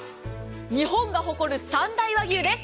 日本が誇る三大和牛です。